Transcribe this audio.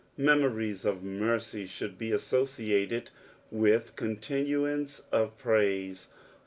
Heroories of mercy should be associated with contiousoce <rf praise.